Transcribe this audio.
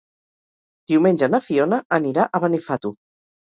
Diumenge na Fiona anirà a Benifato.